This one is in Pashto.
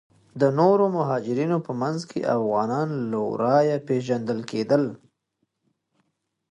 د نورو مهاجرینو په منځ کې افغانان له ورایه پیژندل کیدل.